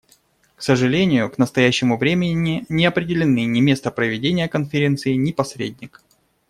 К сожалению, к настоящему времени не определены ни место проведения Конференции, ни посредник.